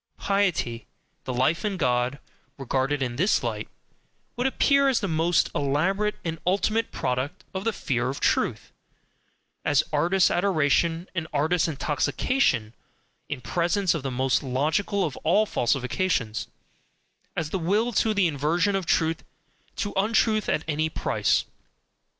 Piety, the "Life in God," regarded in this light, would appear as the most elaborate and ultimate product of the FEAR of truth, as artist adoration and artist intoxication in presence of the most logical of all falsifications, as the will to the inversion of truth, to untruth at any price.